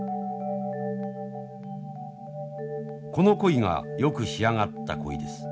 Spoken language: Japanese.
この鯉がよく仕上がった鯉です。